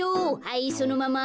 はいそのまま。